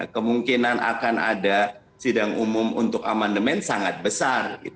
kemungkinan akan ada sidang umum untuk amandemen sangat besar